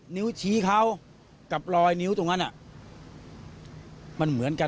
นิ้วชี้เขากับรอยนิ้วตรงนั้นมันเหมือนกัน